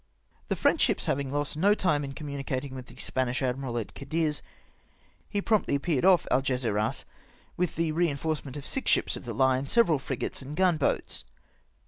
The French ships having lost no time m communi cating with the Spanish admiral at Cadiz, he promptly appeared off Algesiras with a reinforcement of six ships of the line, several frigates, and gunboats.